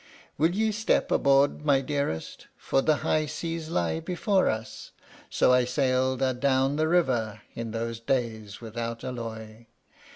"Will ye step aboard, my dearest? for the high seas lie before us." So I sailed adown the river in those days without alloy.